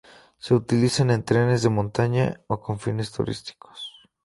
Se utilizan en trenes de montaña o con fines turísticos.